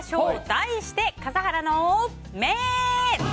題して、笠原の眼。